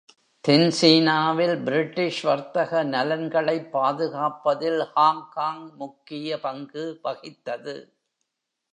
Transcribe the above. தென் சீனாவில் பிரிட்டிஷ் வர்த்தக நலன்களைப் பாதுகாப்பதில் ஹாங்காங் முக்கிய பங்கு வகித்தது.